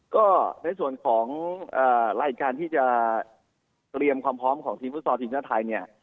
ก็ในส่วนของรายการที่จะเตรียมความพร้อมของทีมฟุตซอลทีมชาติไทยเนี่ย